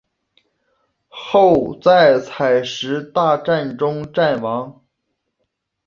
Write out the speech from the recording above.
后在采石大战中战亡。